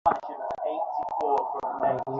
কীটপতঙ্গ আসিয়া দীপের উপর পড়িতেছে।